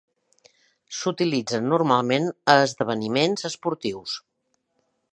S'utilitzen normalment a esdeveniments esportius.